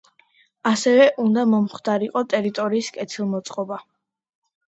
ასევე უნდა მომხდარიყო ტერიტორიის კეთილმოწყობა.